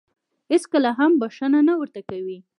هېڅکله هم بښنه نه ورته کوي .